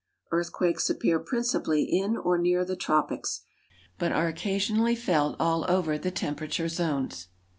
Earthquakes appear principally in or near the tropics, but are occasionally felt all over the temperature zones.